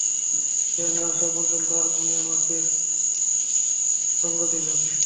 সে না আসা পর্যন্ত আপনি আমাকে সঙ্গ দিবেন?